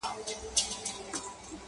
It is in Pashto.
مرگ موش دئ نوم پر ايښى دهقانانو!.